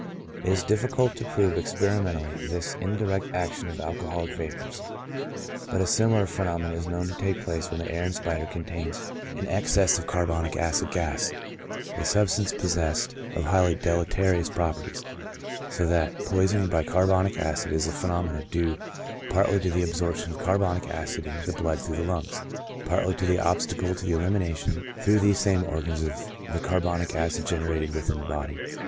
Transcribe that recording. It is difficult to prove experimentally this indi rect action of alcoholic vapors, but a similar phenomenon is known to take place when the air inspired contains an excess of carbonic acid gas, a substance possessed of high ly deleterious properties ; so that poisoning by carbonic acid is a phenomenon due partly to the absorption of car ALCOHOL IN HEALTH. 3 bonic acid into the blood through the lungs, partly to the obstacle to the elimination through these same organs of the carbonic acid generated within the body.